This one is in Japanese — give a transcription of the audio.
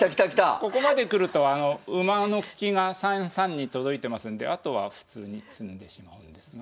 ここまで来ると馬の利きが３三に届いてますんであとは普通に詰んでしまうんですが。